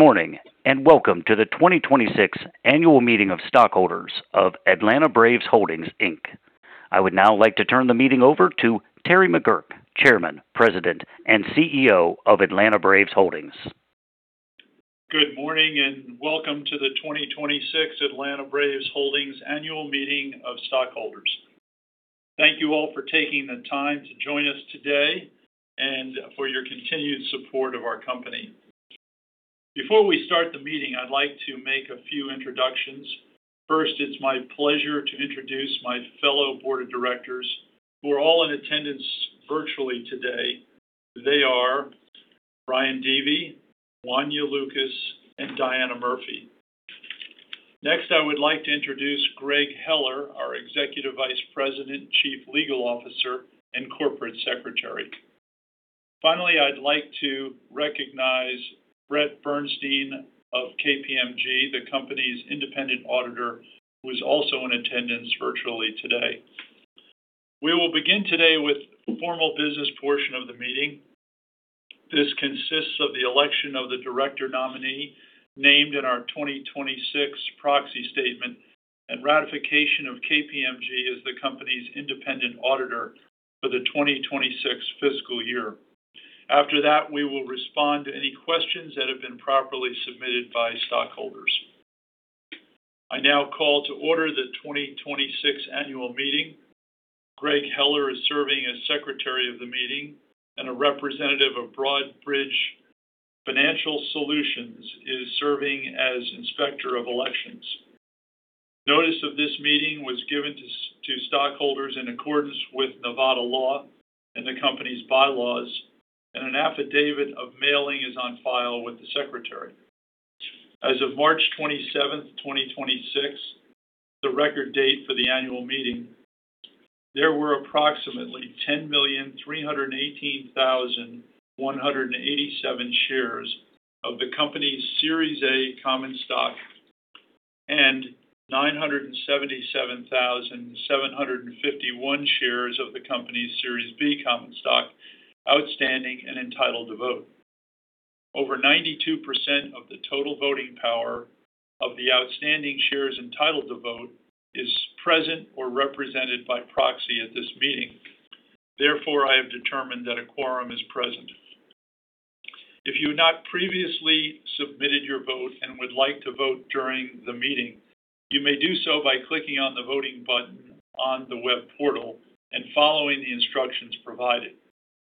Good morning, and welcome to the 2026 annual meeting of stockholders of Atlanta Braves Holdings, Inc. I would now like to turn the meeting over to Terence McGuirk, Chairman, President, and CEO of Atlanta Braves Holdings. Good morning, and welcome to the 2026 Atlanta Braves Holdings annual meeting of stockholders. Thank you all for taking the time to join us today and for your continued support of our company. Before we start the meeting, I'd like to make a few introductions. First, it's my pleasure to introduce my fellow board of directors who are all in attendance virtually today. They are Brian Deevy, Wonya Y. Lucas, and Diana M. Murphy. Next, I would like to introduce Greg Heller, our Executive Vice President, Chief Legal Officer, and Corporate Secretary. Finally, I'd like to recognize Brett Bernstein of KPMG, the company's independent auditor, who is also in attendance virtually today. We will begin today with the formal business portion of the meeting. This consists of the election of the director nominee named in our 2026 proxy statement and ratification of KPMG as the company's independent auditor for the 2026 fiscal year. After that, we will respond to any questions that have been properly submitted by stockholders. I now call to order the 2026 annual meeting. Greg Heller is serving as secretary of the meeting, and a representative of Broadridge Financial Solutions is serving as Inspector of Elections. Notice of this meeting was given to stockholders in accordance with Nevada law and the company's bylaws, and an affidavit of mailing is on file with the secretary. As of March 27, 2026, the record date for the annual meeting, there were approximately 10,318,187 shares of the company's Series A common stock and 977,751 shares of the company's Series B common stock outstanding and entitled to vote. Over 92% of the total voting power of the outstanding shares entitled to vote is present or represented by proxy at this meeting. Therefore, I have determined that a quorum is present. If you have not previously submitted your vote and would like to vote during the meeting, you may do so by clicking on the voting button on the web portal and following the instructions provided.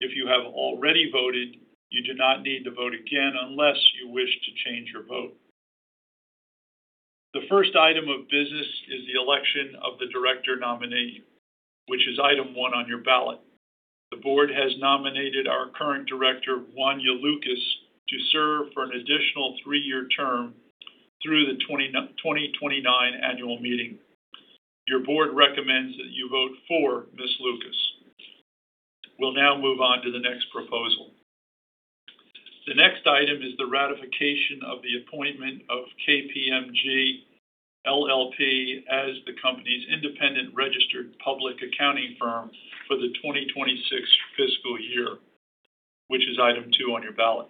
If you have already voted, you do not need to vote again unless you wish to change your vote. The first item of business is the election of the director nominee, which is item 1 on your ballot. The Board has nominated our current director, Wonya Y. Lucas, to serve for an additional three year term through the 2029 annual meeting. Your Board recommends that you vote for Ms. Lucas. We'll now move on to the next proposal. The next item is the ratification of the appointment of KPMG LLP as the company's independent registered public accounting firm for the 2026 fiscal year, which is item two on your ballot.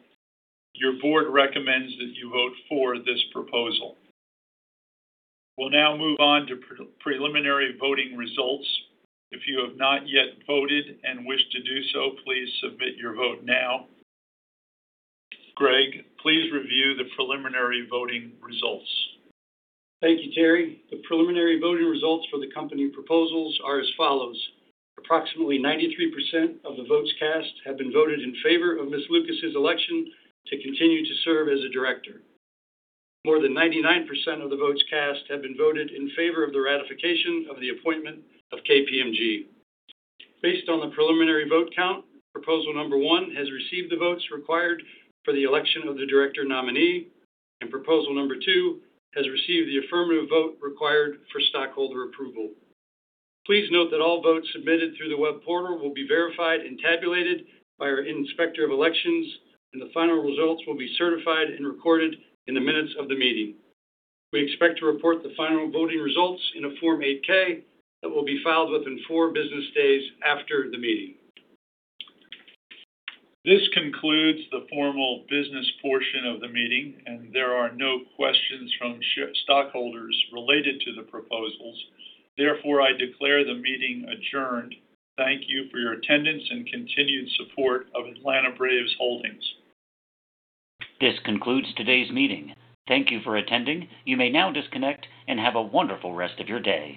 Your board recommends that you vote for this proposal. We'll now move on to preliminary voting results. If you have not yet voted and wish to do so, please submit your vote now. Greg, please review the preliminary voting results. Thank you, Terry. The preliminary voting results for the company proposals are as follows. Approximately 93% of the votes cast have been voted in favor of Ms. Lucas' election to continue to serve as a director. More than 99% of the votes cast have been voted in favor of the ratification of the appointment of KPMG. Based on the preliminary vote count, proposal number 1 has received the votes required for the election of the director nominee, and proposal number two has received the affirmative vote required for stockholder approval. Please note that all votes submitted through the web portal will be verified and tabulated by our Inspector of Elections, and the final results will be certified and recorded in the minutes of the meeting. We expect to report the final voting results in a Form 8-K that will be filed within four business days after the meeting. This concludes the formal business portion of the meeting. There are no questions from stockholders related to the proposals. Therefore, I declare the meeting adjourned. Thank you for your attendance and continued support of Atlanta Braves Holdings. This concludes today's meeting. Thank you for attending. You may now disconnect and have a wonderful rest of your day.